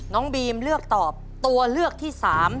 น้องบีมเลือกตอบตัวเลือกที่๓